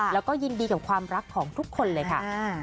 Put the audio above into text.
แล้วก็ยินดีกับความรักของทุกคนเลยค่ะ